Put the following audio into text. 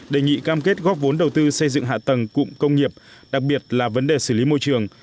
đề nghị cam kết góp vốn đầu tư xây dựng hạ tầng cụm công nghiệp đặc biệt là vấn đề xử lý môi trường